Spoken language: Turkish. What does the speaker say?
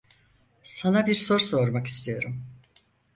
Sana bir soru sormak istiyorum.